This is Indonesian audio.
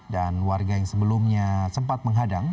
dan warga yang sebelumnya sempat menghadang